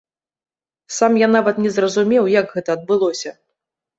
Сам я нават не зразумеў, як гэта адбылося.